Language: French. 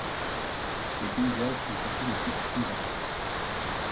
Ses paysages sont surtout de type toundra.